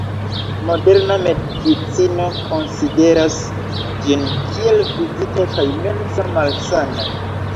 Moderna medicino konsideras ĝin kiel fizika kaj mensa malsano.